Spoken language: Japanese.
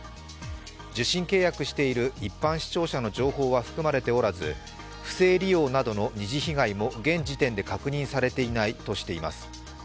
受信契約している一般視聴者の情報は含まれておらず不正利用などの二次被害も現時点で確認されていないとしています。